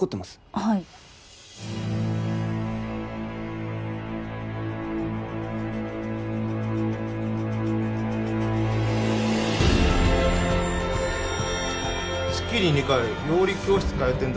はい月に２回料理教室通ってんだ